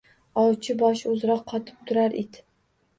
Ovchi boshi uzra qotib turar it.